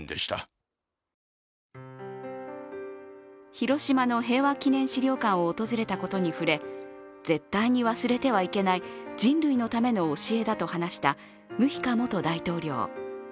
広島の平和記念資料館を訪れたことに触れ、絶対に忘れてはいけない、人類のための教えだと話したムヒカ元大統領。